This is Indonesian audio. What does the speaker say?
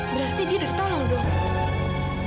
berarti dia udah ditolong dong